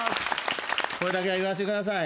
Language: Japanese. これだけは言わせてください。